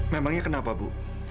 memangnya kenapa bu